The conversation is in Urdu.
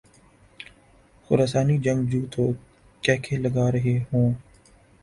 خراسانی جنگجو تو قہقہے لگارہے ہوں۔